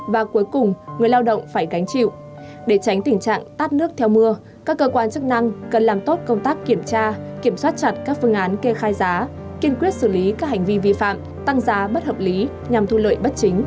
và cuối cùng người lao động phải gánh chịu để tránh tình trạng tắt nước theo mưa các cơ quan chức năng cần làm tốt công tác kiểm tra kiểm soát chặt các phương án kê khai giá kiên quyết xử lý các hành vi vi phạm tăng giá bất hợp lý nhằm thu lợi bất chính